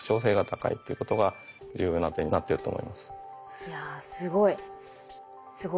いやすごい。